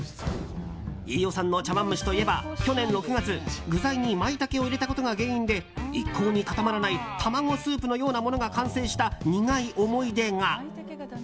飯尾さんの茶わん蒸しといえば去年の６月具材にマイタケを入れたことが原因で一向に固まらない卵スープのようなものが完成した苦い思い出が。